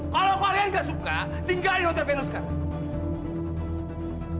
kalau kalian gak suka tinggal di hotel venus sekarang